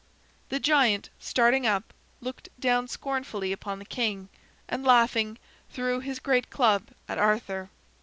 The giant, starting up, looked down scornfully upon the king and, laughing, threw his great club at Arthur.